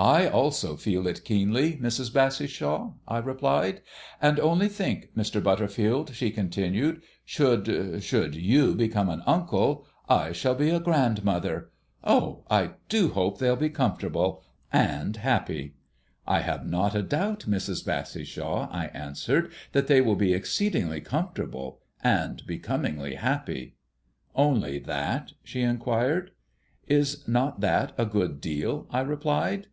"I also feel it keenly, Mrs. Bassishaw," I replied. "And only think, Mr. Butterfield," she continued, "should should you become an uncle, I shall be a grandmother! Oh, I do hope they'll be comfortable and happy!" "I have not a doubt, Mrs. Bassishaw," I answered, "that they will be exceedingly comfortable and becomingly happy." "Only that?" she inquired. "Is not that a good deal?" I replied.